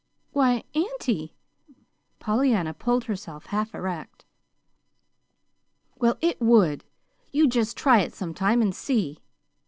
"Why, auntie!" Pollyanna pulled herself half erect. "Well, it would. You just try it sometime, and see."